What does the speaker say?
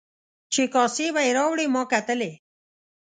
چې کاسې به یې راوړلې ما کتلې.